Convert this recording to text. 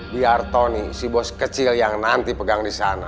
biar tony si bos kecil yang nanti pegang di sana